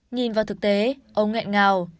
nhìn vào thực tế ông nghẹn ngào